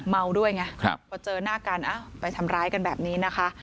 เมาด้วยไงพอเจอหน้ากันไปทำร้ายกันแบบนี้นะคะ